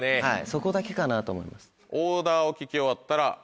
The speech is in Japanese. そこだけかなと思います。